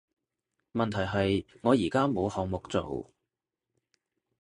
問題係我而家冇項目做